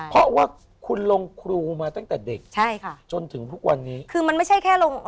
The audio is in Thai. เพราะว่าคุณหลงครูมาตั้งแต่เด็กจนถึงทุกวันนี้